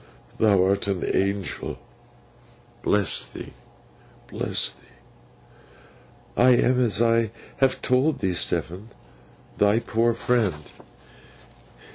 'Thou art an Angel. Bless thee, bless thee!' 'I am, as I have told thee, Stephen, thy poor friend.